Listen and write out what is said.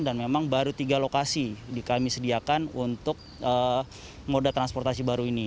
dan memang baru tiga lokasi dikami sediakan untuk moda transportasi baru ini